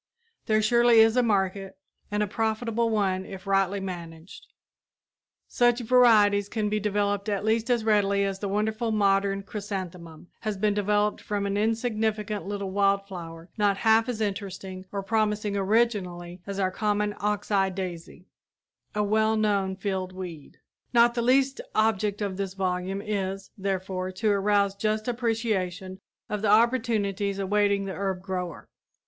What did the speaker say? There surely is a market, and a profitable one if rightly managed. And with right management and profit is to come desire to have improved varieties. Such varieties can be developed at least as readily as the wonderful modern chrysanthemum has been developed from an insignificant little wild flower not half as interesting or promising originally as our common oxeye daisy, a well known field weed. Not the least object of this volume is, therefore, to arouse just appreciation of the opportunities awaiting the herb grower.